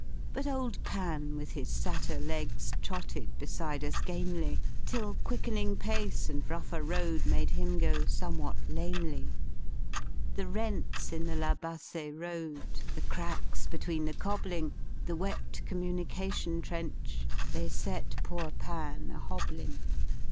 But old Pan with his satyr legs Trotted beside us gamely. Till quickening pace and rougher road Made him go somewhat lamely. The rents in the La Bassee roady The cracks between the cobbling. The wet communication trench. They set poor Pan a hobbling.